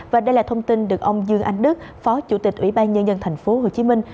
và đây là thông tin được ông dương anh đức phó chủ tịch ủy ban nhân dân thành phố hồ chí minh